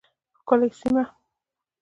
ښکلې سیمه